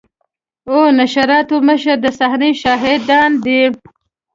او نشراتو مشر د صحنې شاهدان دي.